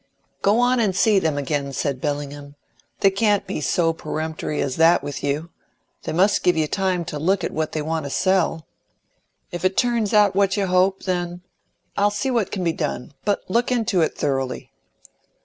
"Go on and see them again," said Bellingham. "They can't be so peremptory as that with you. They must give you time to look at what they want to sell. If it turns out what you hope, then I'll see what can be done. But look into it thoroughly."